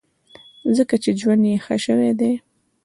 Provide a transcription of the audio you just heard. ځکه چې ژوند یې ښه شوی دی.